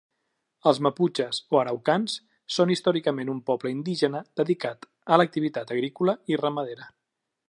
Els maputxes o araucans són històricament un poble indígena dedicat a l'activitat agrícola i ramadera.